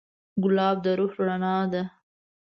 ګلاب د روح رڼا ده.